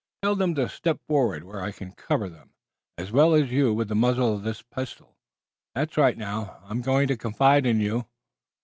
Tell them to step forward where I can cover them as well as you with the muzzle of this pistol. That's right. Now, I'm going to confide in you."